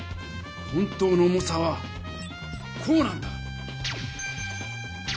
本当の重さはこうなんだ。